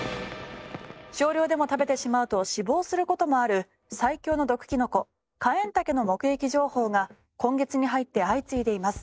少量でも食べてしまうと死亡する事もある最強の毒キノコカエンタケの目撃情報が今月に入って相次いでいます。